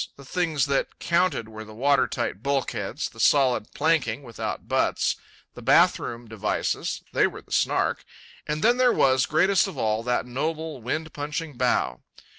The things that counted were the water tight bulkheads, the solid planking without butts, the bath room devices—they were the Snark. And then there was, greatest of all, that noble, wind punching bow.